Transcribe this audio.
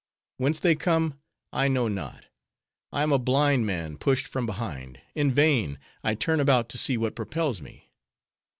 Whence they come I know not. I am a blind man pushed from behind; in vain, I turn about to see what propels me.